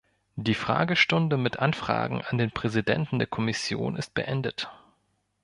Die Fragestunde mit Anfragen an den Präsidenten der Kommission ist beendet.